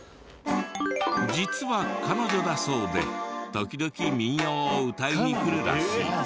実は彼女だそうで時々民謡を歌いに来るらしい。